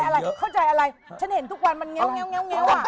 อะไรเข้าใจอะไรฉันเห็นทุกวันมันเงี้ยวอ่ะ